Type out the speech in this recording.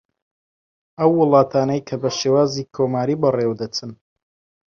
ئەو وڵاتانەی کە بە شێوازی کۆماری بە ڕێوە دەچن